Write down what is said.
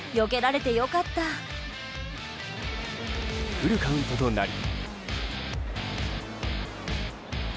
フルカウントとなり。